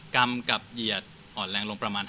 กรรมกับเหยียดอ่อนแรงลงประมาณ